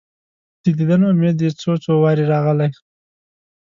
د دیدن امید دي څو، څو واره راغلی